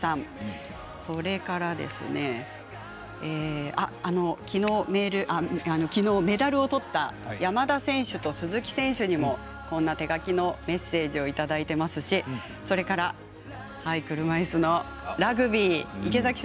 それから、きのうメダルをとった山田選手と鈴木選手にもこんな手書きのメッセージをいただいていますし、それから車いすのラグビー、池崎選手のイラストもいただきました。